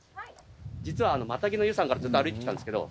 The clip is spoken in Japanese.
実は「マタギの湯」さんからずっと歩いて来たんですけど。